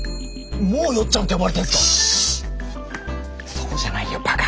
そこじゃないよバカ！